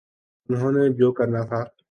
انہوں نے جو کرنا تھا۔